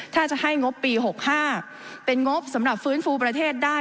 ถ้าจะให้งบปี๖๕เป็นงบสำหรับฟื้นฟูประเทศได้